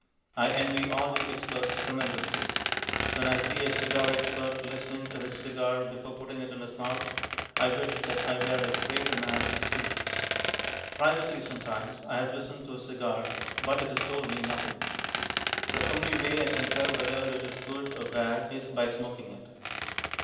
I envy all you experts tremendously. When I see a cigar expert listening to his cigar before putting it in his mouth I wish that I were as great a man as he. Privately sometimes I have listened to a cigar, but it has told me nothing. The only way I can tell whether it is good or bad is by smoking it.